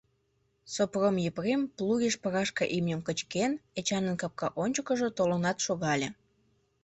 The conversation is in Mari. Сопром Епрем, плугеш прашка имньым кычкен, Эчанын капка ончыкыжо толынат шогале.